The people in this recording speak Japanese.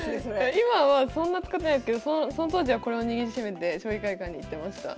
今はそんな使ってないですけどその当時はこれを握りしめて将棋会館に行ってました。